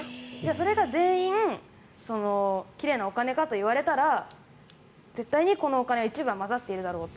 それが全員奇麗なお金かといわれたら絶対にこのお金が一部は混ざっているだろうと。